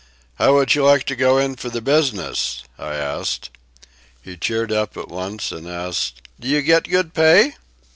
"How would you like to go in for the business?" I asked. He cheered up at once and asked "Do you get good pay?"